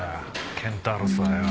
ケンタウロスはよ。